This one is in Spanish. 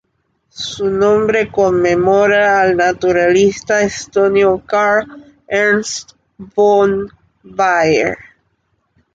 Su nombre conmemora al naturalista estonio Karl Ernst von Baer.